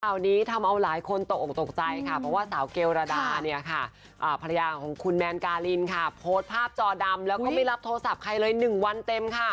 เริ่มนี้ทำเอาหลายคนตกตกใจขอว่าสาวเกลลดาคุณแมลงกาลินโพสต์ภาพจอดำและก็ไม่รับโทรศัพท์ใครเลย๑วันเต็ม